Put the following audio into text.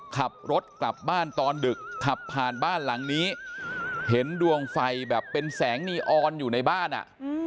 ขับรถกลับบ้านตอนดึกขับผ่านบ้านหลังนี้เห็นดวงไฟแบบเป็นแสงนีออนอยู่ในบ้านอ่ะ